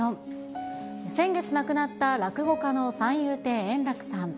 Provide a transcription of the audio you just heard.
先月亡くなった落語家の三遊亭円楽さん。